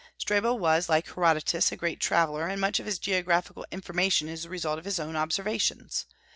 Strabo was, like Herodotus, a great traveller, and much of his geographical information is the result of his own observations.